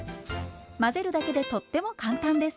混ぜるだけでとっても簡単です。